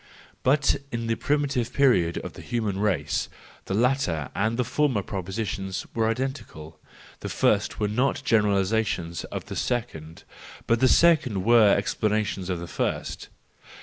But in the primitive period of the human race, the latter and the former propositions were identical, the first were not generalisations of the second, but the second were explanations of the first.